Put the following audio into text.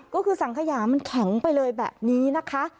ก็คือสังขยามันแข็งไปเลยแบบนี้นะคะ